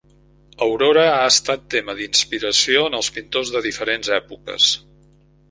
Aurora ha estat tema d'inspiració en els pintors de diferents èpoques.